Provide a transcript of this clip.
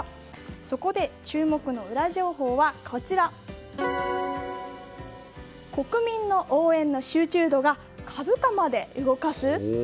そこで、注目のウラ情報は国民の応援の集中度が株価まで動かす？